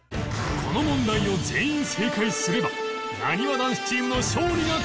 この問題を全員正解すればなにわ男子チームの勝利が確定